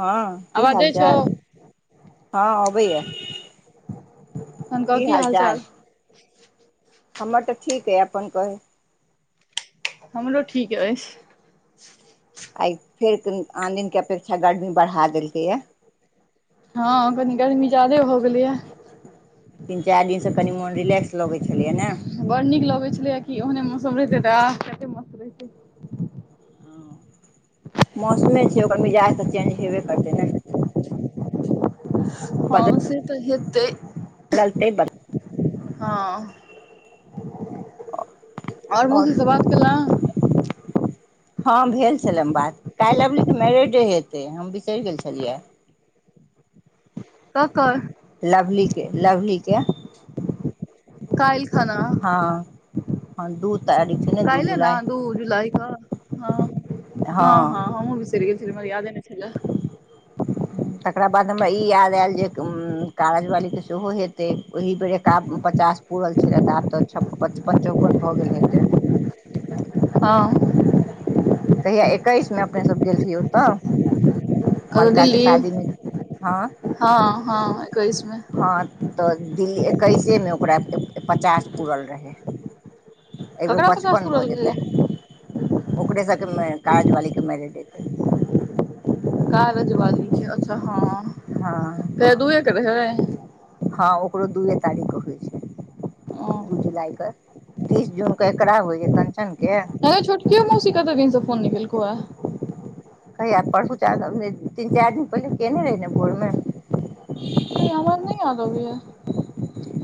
हँ की आवाज हाल जाइ छौ चाल हँ अबैए ह कह की हाल चाल हमर तऽ ठीक अइ अपन कहय हमरो ठीक अछि आइ फेर कनि आन दिनके अपेक्षा गर्मी बढ़ा देलकैए हँ कनी गर्मी ज्यादे हो गेलीए तीन चारि दिनसँ कनि मोन रिलैक्स लगैत छलैयए ने बड़ नीक लगैत छलैए कि ओहने मौसम रहतै तऽ आह कते मस्त रहत मौसमे छै ओकर मिजाज तऽ चेंज हेबे करतै ने हँ से तऽ हेतै बदलते बन हँ मौसी आओर से बात केलँ हँ भेल छलम बात काल्हि लबली त मैरिेडडे हेतै हम बिसरि गेल छलियै तऽ लवलीके लवलीके काइल खना हँ हँ दूध काइले न दू जुलाइ ह ह ह हँ हमूँ बिसरि गेल छलै हमरा यादे ने छले तकरा बाद हमरा ई याद आयल जे कागज वालीे सेहो हेत तेक ओहि बेर एक आब पचास पुरल छलै तऽ आब तऽ पचपन चौवन भऽ गेल हेते [inaudible] कहिया एकैस मे अपने सब गेल छलिये ओतय कतऽ मलकाके दिल्ली शादीमे हँ हँ हँ एकैस मे हँ तऽ दिल एकैसे मे ओकरा पचास पूरल रहै एहि बेर ककरा पचास पचपन भऽ पूरल रहै जेतै ओकरे सबके मे कागज वाली के मैरेज डे कारज वाली के अच्छा हँ कहिया हँ दुए के रहै हँ ओकरो दूए तारीख होइ छै ओ दू जुलाइ क तीस जून के एकरा होइय कञ्चनके नहि छोटकियो मौसी कते दिनसँ फोन नय कायलको अय कहिया परसु चाराम दिन तीन चार दिन पहिले केने रहि न भोरमे नहि हमरा नहि याद आबयये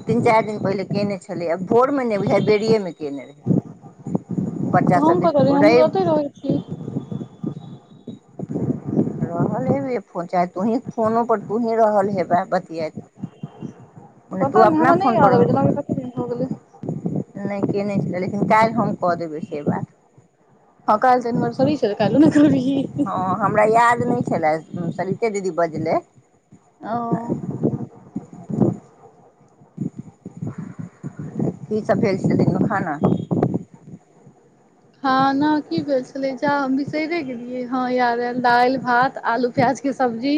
तीन चारि दिन पहिले केने छलै आ भोर मे नहि बुझाइ बेड़ियए मे कयने रह तऽ बच्चा सभ हम बीस कतऽ रही हमहूँ तऽ रैब ओतहि रहै छी रहल हेबे चाहे तोही फोनो पर तोहीं रहल हेबे बतियत पता नहि ह हमरा नहि याद आब जेना लगय ये कते दिन भ गेले नहि केयने छलै लेकिन काल्हि हम कऽ देबै से बात हँ काल तन मर सब विचार कालू न कर भी लें सलीते दीदी बजले ओ की सब भेल छल हो खाना [inaudible] खाना की भेल छले जा हम बिसैरे गेलियै ह दालि भात आलू प्याज के सब्जी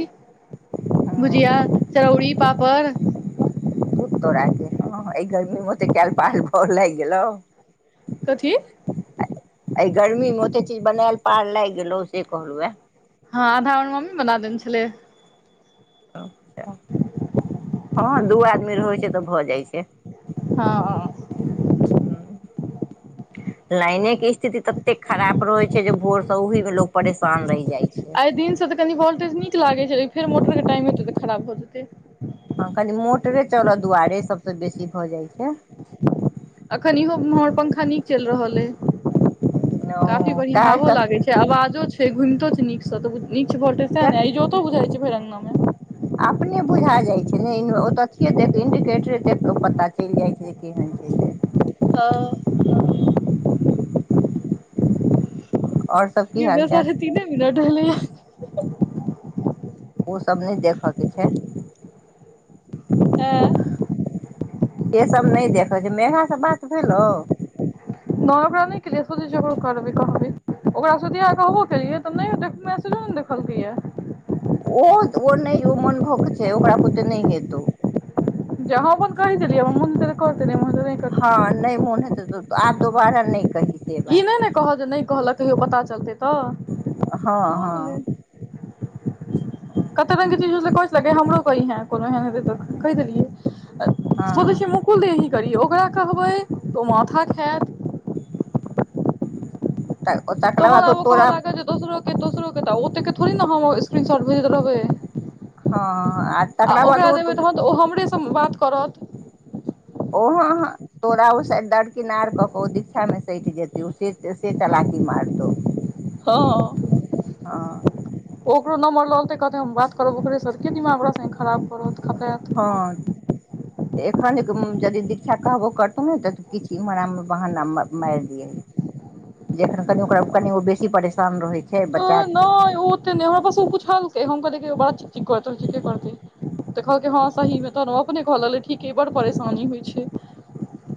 हँ भुजिया चरौरी पापड़ तो रागे हँ गर्मी मते कल पाल फर लागि गेल कथी एहि गर्मी मे ओते चीज बनायल पार लागि गेलौ से कहलहु हे हँ आधा आर मम्मी बना देने छलै आ [inaudible] हँ दू आदमी रहै छै तऽ भऽ जाइ छै हँ ह [inaudible] लाइने के स्थिति तते खराब रहे छै जे भोर से ओहि में लोग परेशान रहि जाइ छै आइ दिनसँ तऽ कनि वोल्टेज नीक लागैत छै फेर मोटरके टाइम हेतै तऽ खराब भऽ जेतै हँ कनी मोटरे चलय दुआरे सभसँ बेसी भऽ जाइत छै एखन इहो हमर पंखा नीक चलि रहल अइ काफी ओ बढ़िया काल्हि हवो तक लागे छै आवाजो छै घुमिते नीक त नीक बोल्टज ते ने जक ईजोतो बुझाइ छै भर आंगना मे अपने बुझा जाइत छै ने ओतथिए देख इंडिकेटरे देख क पता चलि जाइत छै जे केहन छै से हँ आओर सब की कि हाल चाल बेसारे ती नहि बिनाटलै य ओसभ नहि देखयके छै आ से सब नहि देखै छै मेघा सब बात भेलौ नहि ओकरा नहि केलियै सोचे छीय ओकरो करबइ कहबइ ओकरा स कहबो केल त नई ऊतक मैसेज देखलकै यऽ ओ ओ नहि ओ मनभक छै ओकरा कुते नहि हेतौ हँ अपन कहेलि दिलायेया हमा मोन होतही त कहतइ नहीं हँ नहि मन हेत त आ दो बारा नहि कही से ई बात नहि ने कहब जे नहि कहलक कहियो पता चलतै तऽ हँ भऽ हँ गेलै कते रङंगगके चीजत को ले हमरो कई है कोनो एहन तऽ कहि देलिय ओद हँ छै मुकुल दी करियौ ओकरा कहबै तऽ ओ माथा खायत तकरा तहन बाद आब ओ कहऽ तोरा लागै जे दोसरो के दोसरो के तऽ ओते के थोड़ी ने हम स्क्रीन शॉट भेजैत रहबै हँ ह आ तकरा बाद ओकरा ओ देमे तहन तऽ ओ हमरेसँ बात करत ओ हँ [inaudible] तोरा ओ साड दरकिनार कऽ कऽ ओ दीक्षा मे सठि जेतौ से चलाकी मारतौ हँ हँ ओ ककरो नमबर ललतैत हम ब करब ओकरे से त के दिमाग खराब पत हँ खपत तऽ एखन यदि दीक्षा कहबो करतौ ने तऽ किछु इम्हर आमे बहाना मारि दियै जखन कनि ओकरा कनि ओ बेसी परेशान रहै छै अ बच्चा नहि ओ ओते नहि हमरा पास ओ पुछेलके हम कहलियै बड़ा चिक चिक करत रहीछै के करये देखलकीय हँ सही मे त रोब देख लगलई ठीके बड़ परेशानी होइ छै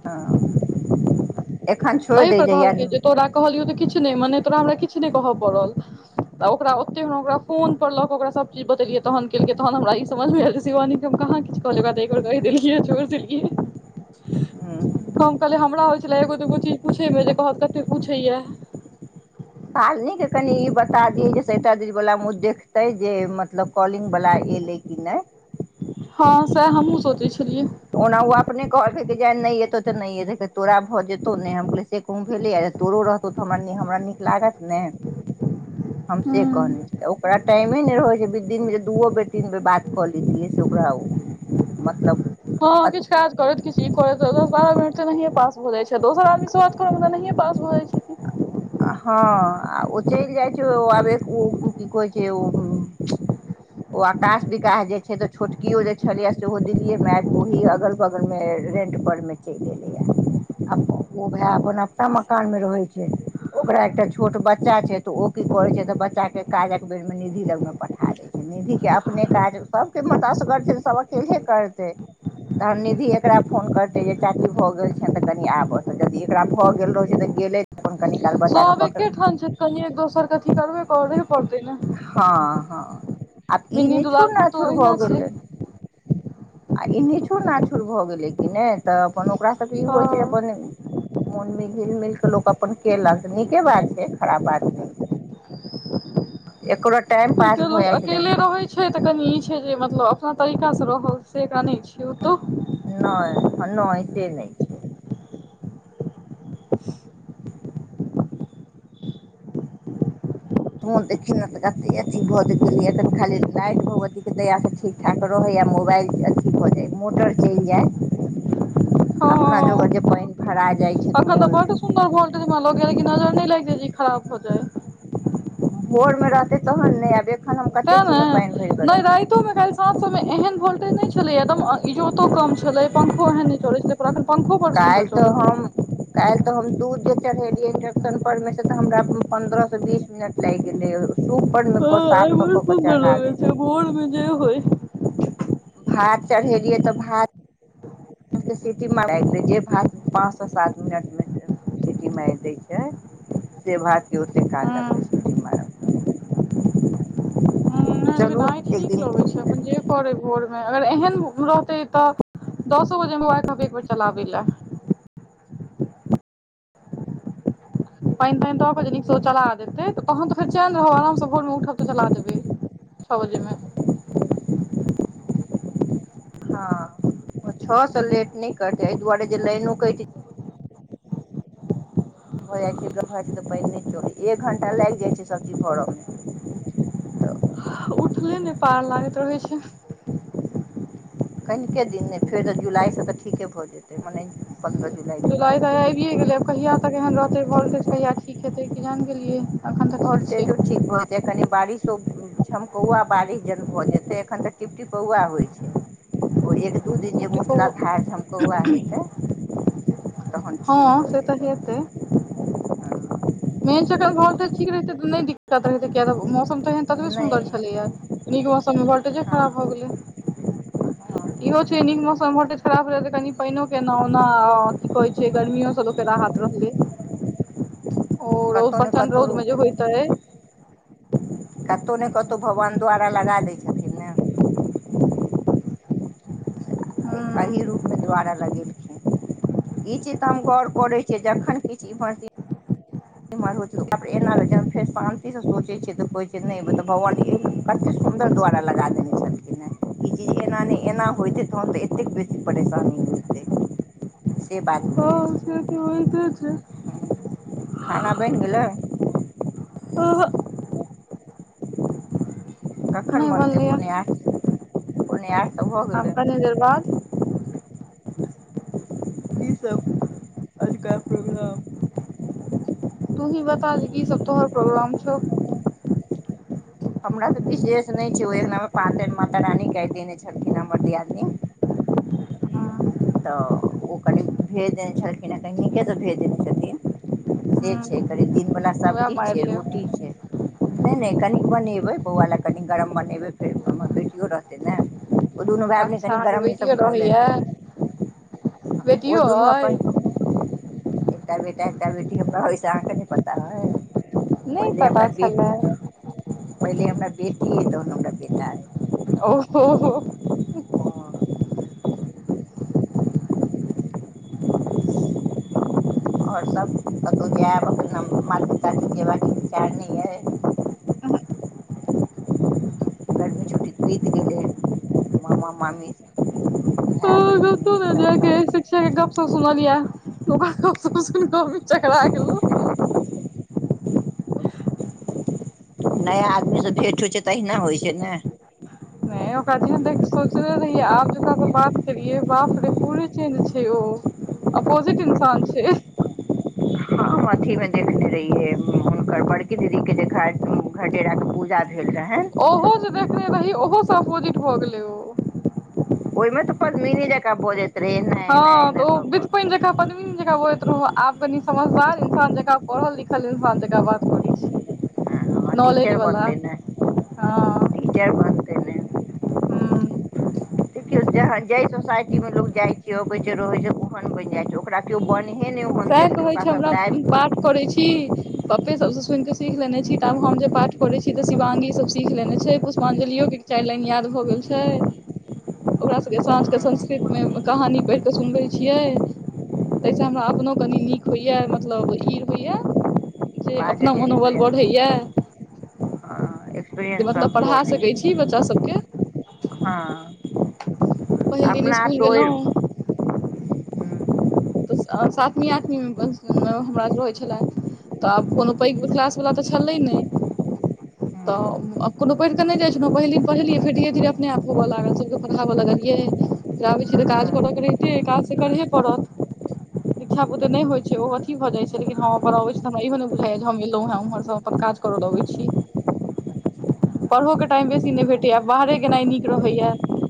हँ एखन छोड़ि एहिप दै जहिया कहलकै हूँ जे तोरा कहलियौ तऽ किछु नहि मने तोरा हमरा किछु नहि कहय पड़ल तऽ ओकरा ओते हम ओकरा फोन पर लऽ कऽ ओकरा सभचीज बतेलियै तनेल केलकै तहन हमरा ई समझमेल शिवानीे हम कहाँ किछु कहले बातै दी देलकियै चोर देललियै कम कल हमरा होइ छलै एगो दुगो चीज पुछै मेे कतेक पूछैयै सालनी के कनि ई बता दियै जेसटा दिन वला मे देखतै जे मतलब कॉलिंग वला एलै कि नहि हँ सेह हमहुँ सोचै छी ओना ओ अपने कॉल एतौ तऽ नहि तोरा भऽ जेतौ ने हम कह से कह भेले तोरो रहतौ त हम लागत ने हम से कहने हँ छेलियै आ ओकरा टाइमे नहि रहै छै बिल दु मिनट दूओ बेर तीन बेर बात कऽ लै छलै से ओकरा मतलब हँ किछु काज करैत किछ ई कर दस बारह मिनट तऽ नहि पास भऽ जाइ छै दोसर आदमी शुरआ करऽ नहियए पास भऽ जाइ छै हँ ओ चलि जाइ छै आब की कहै छै ओ ओ आकाश विकास जे छै तऽ छोटकियो जे छलिये सेहो दिल्लीए मे ओहि अगल बगल मे रेन्टपरमे चलि अयलैए आब ओ भाय अपन अपना मकानमे रहैत छै ओकरा एकटा छोट बच्चा छै तऽ ओ की करैत छै तऽ बच्चाके काजक बेरमे निधि लगमे पठा दैत छै निधिके अपने काज सभके मऽ असगर छै तऽ सभ अकेले करतै तहन निधि एकरा फोन करतै जे चाची भऽ गेल छनि तऽ कनि आबह तऽ यदि एकरा भऽ गेल रहैत छै तऽ गेलै अपन कनिक सब एके ठाम छै कनि एक दोसर के अथी करबे करहे पड़ते ने हँ हँ आब ई बिनी निछुर दुवालपुर तऽ नाछुर ओहि भऽ न गेलै छै आ ई निछुड़ नाछूड़ भऽ गेलै कि नहि तऽ अपन ओकरा सभके ई होइ छै हँ अपन मोनमे हिल मिल कऽ लोक अपन केलक नीके बात छै खराब बात नहि छै एकरा अकेले रहै छै तऽ कनि ई छै जे मतलब अपना तरीकाँ रहल से एकरा नै छै ओतौ नहि से नहि छै मन देखिन भऽ खाली नैत भगवती ल तै ठीक ठाक रहै मोबाइल अथी भऽ जा मोटर चल जाइ अपना हँ जोगर जे पाइन भड़ा अखन तऽ बहुत सुंर बोलट मनल क कि नजर न लगै जी खराब हो जाइ भोर मे रहतै तहन नहि आबे तें ने नहि राातो में काल्हि सांझ सब मे एहन वोल्टेज नहि छै छल एकदम इजोतो कम छलै पंखो एहन नहि चलैत छलै पर एखे कएल तऽ हम कएल तऽ हम दूध जे चढ़ेलियै इंडक्शन पर में से तऽ हमरा पंद्रह से बीस मिनट लागि गेले सुूपर मे हँ साफ आइ क बड़ कअ बच्चा सुन्दर साथ लगै छै देथिन भोर मे जे होय भात चढ़ेलियै तऽ भात भातके सीटी म रखि दै जे भात पाँचसँ सात मिनटमे सीटी मगि दै छै से भात के ओते काल हँ लगबै सिटी मारय हँ नहि म लेकिन चलू आइ एक ठीक दिन लगै छै जे करै भोरमे अगर एहन रहतै तऽ दसो बजेमे ओहा कहलकए एक बेर चल आबैलए पानि तानि तऽपर जे नीकसँ ओ चला देतै तऽ अहन तऽ फेर चैन रहब आरामसँ भोरमे उठब तऽ चला देबै छ बजे मे हँ छओ सए लेट नहि करतै एहि दुआरे जे लाइनो क भऽ जाइ छै गर्म भऽ जाइ छै तऽ पानि नहि चलै एक घण्टा लागि जाइ छै सभचीज भरयमे तऽ उठले ई नहि पार [inaudible] कनिके दिन नहि फेर तऽ जुलाइसँ तऽ ठीके भऽ जेतै मने पन्द्रह जुलाइके जुलाइ तऽ आइ बादसँ आबि गेलैय कहिया तक एहन रहतै वोल्टेज कहिया ठीक हेतै कि जान गेलियै एखन तऽ ठीक छै बोल्टेजो ठीक भ जैतइ कनि बारिशो ठाम कौआ बारिश जन भऽ जेतै एखन तऽ टिपटी कौआ होइ छै एक दू दिन जे टिप टिपो मूसला धार झमकौआ हेतै तहन हँ ठीक भऽ से तऽ जेतै हेतै सबचीज मेन छै एखन वोल्टेज हँ ठीक रहितै नहि दिक्कत रहे छै किया तऽ मौसम त एहन ततबे नहि सुन्दर छलैया नहि नीक मौसम समय वोल्टेजे हँ खराब भ हँ गेलै इहो छै नीक मौसम वोल्टेज खराब रह कनि पानो के ओना की कह छै से गर्मीयो से लोक के राहथ रहलै ओ रउद कतहु ने प्रचंड रउद कतहु मे जे होयतै कतहु नहि कतहु भगवान द्वारा लगा दै छथिन ने हूं एहि रूप मे द्वार लगेलखिन ई चीज तऽ हम गौर करै छीयै जखन किछु इम एना ल फेर शान्तिसँ सोचै छियै तऽ कहै छै नहि तऽ भगवान क सुंन्दर द्वारा लगा देने छलखिन ह ई चीज एना एना होयते तहन ते एते बेसी परेशानी से बात ह भऽ जाइ छै से त होइते छै खाना बनि गलै अहह कखन नहि बनतै बनलैय पूणे आठ पूणे आठ तऽ भऽ आब गेलै कनि देर बाद कीसभ अजका प्रोग्राम तूही बता द की सब तोहर प्रोग्राम छौ हमरा तऽ विशेष नहि छै ओहि अगंना मे पातर माता रानी क देने छलखिन हमर दियादी हँ तऽ ओ कनि भेज देने छलखिन हे क नीकेसँ भेज देने छथिन से छै हमरा कनि दिनवला सब्जी छै मारि लेब रोटी छै नहि नहि कनि बनेबै बौआ लए कनि गरम बनेबै फेर हमर बेटियो रहतै ने ओ दुनू भाय अपने अच्छा कनि अहाँके गरम बेटियो ईसभ कऽ रहैया लेतै ओ बेटियो दुनू अपन अइ एकटा बेटा एकटा बेटी हमरा अइ से अहाँ के नि पता अइ नहि पहिले हमरा पता बेटी छलै ह पहिले हमरा बेटी तहन हमरा बेटा अइ ओ हो हो और सभ कतहु जायब अपन मात पिताके जयबाक विचार नै यअ उहू गर्मी छुट्टी त बीत गेलै मामा मामी बहिन [unintelligible] ईसभ क सुनलिया त क सुन क मि चकरा गेलउ नया आदमीसँ भेंट होइ छै त अहिना होइ छै न नहि ओकरा जेहन देख सोचले रहिये आब जक से बात करियै बाप रे पूरे चेंज छै ओ अपोजिट इन्सान छै हम अथी मे देखने रहिये हुनकर बड़की दीदी के जेखन घटेरा के पूजा भेल रहनि ओहो जे देखने रही ओहोसँ अपोजिट भऽ गेलै ओ ओहिमे तऽ पदमीनी जका बजे हँ त ओ बितपैन जेका पदमिनि जेका आब कनि समझदार इन्सान जकाँ पढ़ल लिखल इंसान जकाँ बात करै छै ह नॉलेज टीचर वला बनतै न टीचर बनतै ने हु देखियौ जाहि सोसाइटी मे लोग जाइ छै अबै छै रहै छै ओहन बनि जाइ छै ओकरा केओ बन सएह कहै छै हमरा बात करैत छी पपे सब सुनिके सीख लेने छी त आब हम जे पाठ करे छी तऽ शिवांगी सब सीख लेने छै पुष्पांजलि इहो गित चाइर लाइन याद भ गेल छै ओकरा सबके साँझके कऽ संस्कृतमे कहानी पइढ़ कऽ सुनबै छियै तहिसँ हमरा अ अपनो कनी नीक होइया मतलब ई होइए जे अपना बाजक मनोबल एक्सपीरियंस बढ़ैए हँ जे एक्सपीरियंस मतलब सब पढ़ा बढ़ै सकै छै छी बच्चा सभके हँ पहिल दिन अपना इस्कुल तोड़ि गेलहुँ तऽ सातवीं आठवीं हमरा रहै छलेह तऽ आब कोनो पैघ क्लासवला तऽ छलै नइ हँ तऽ कोनो पढ़िकऽ नय जाइत छलहुँ पहिल पढ़ेलियै फेर धीरे धीरे अनेप होबअ लागल सभके पढ़ाबअ लगलियै आबै छी तऽ काज हँ करयके रहिते काज त करहे पड़त दिक्षा बुते नइ होइ छै ओ अथी जाय छै लेकिन हम अपर अबे छै त हमरा इहो बुझाय य हम एलोह उमहर स अपन काज करू [unintelligible] पढ़ोके टाइम बेसी नहि भेटैए बाहरे गेनाइ नीक रहैए